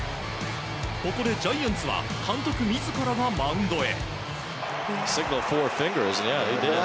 ここでジャイアンツは監督自らがマウンドへ。